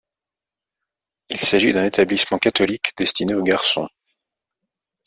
Il s'agit d'un établissement catholique destinés aux garçons.